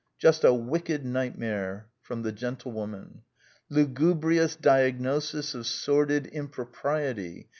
" Just a wicked nightmare." The Gentiewoman. " Lu gubrious diagnosis of sordid impropriety.